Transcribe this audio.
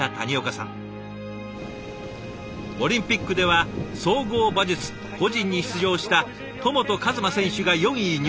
オリンピックでは総合馬術個人に出場した戸本一真選手が４位入賞。